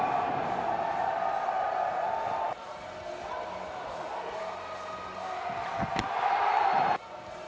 สวัสดีครับทุกคน